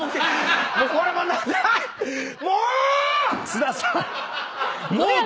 津田さん！